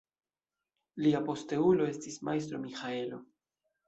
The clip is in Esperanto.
Lia posteulo estis Majstro Miĥaelo.